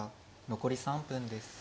残り３分です。